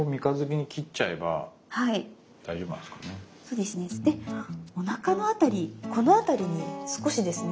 でおなかの辺りこの辺りに少しですね